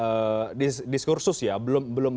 belum final pemerintah memutuskan sepertinya diaturkan